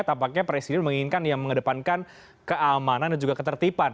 tampaknya presiden menginginkan yang mengedepankan keamanan dan juga ketertiban